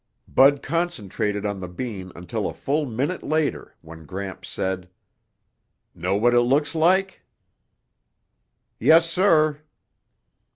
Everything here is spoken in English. Bud concentrated on the bean until a full minute later when Gramps said, "Know what it looks like?" "Yes, sir."